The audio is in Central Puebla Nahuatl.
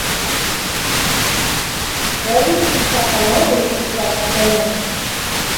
Uelis tikapanauis ijkuak atemos.